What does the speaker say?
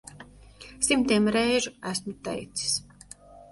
Simtiem reižu esmu teicis.